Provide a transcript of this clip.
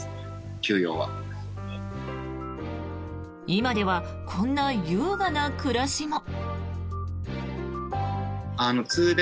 今ではこんな優雅な暮らしも。